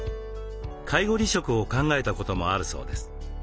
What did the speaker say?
介護離職を考えたこともあるそうです。